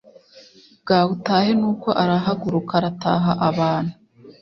bwawe utahe nuko arahaguruka arataha abantu